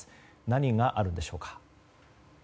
何があるのでしょうか。